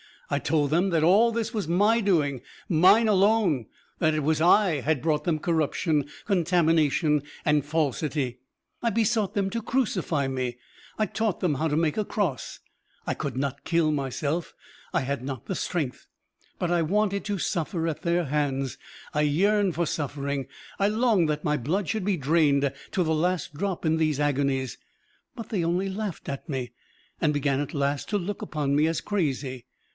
I told them that all this was my doing, mine alone; that it was I had brought them corruption, contamination and falsity. I besought them to crucify me, I taught them how to make a cross. I could not kill myself, I had not the strength, but I wanted to suffer at their hands. I yearned for suffering, I longed that my blood should be drained to the last drop in these agonies. But they only laughed at me, and began at last to look upon me as crazy.